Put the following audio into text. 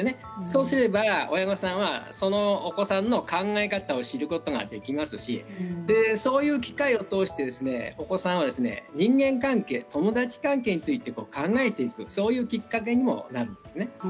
そうすれば親御さんはそのお子さんの考え方を知ることができますしそういう機会を通してお子さんは人間関係友達関係について考えていくそういうきっかけにもなるんです。